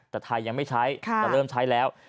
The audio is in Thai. แต่ไทยยังไม่ใช้แต่เริ่มใช้แล้ว